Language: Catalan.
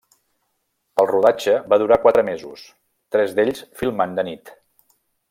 Pel rodatge va durar quatre mesos, tres d'ells filmant de nit.